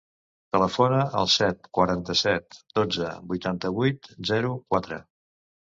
Telefona al set, quaranta-set, dotze, vuitanta-vuit, zero, quatre.